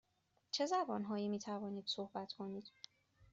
چه زبان هایی می توانید صحبت کنید؟